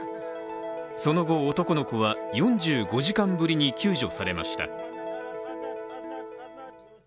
その後、男の子は４５時間ぶりに救助されました。